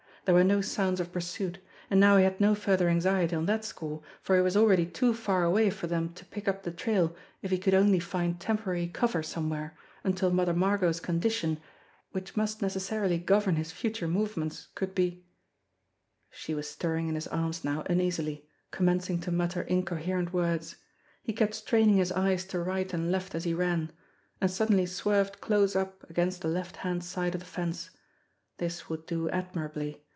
There were no sounds of pursuit, and now he had no further anxiety on that score, for he was already too far away for them to pick up the trail if he could only find temporary cover somewhere until Mother Margot's condition, which must necessarily govern his future movements, could be She was stirring in his arms now uneasily, commencing to mutter incoherent words. He kept straining his eyes to right and left as he ran and suddenly swerved close up against the left hand side of the fence. This would do ad mirably.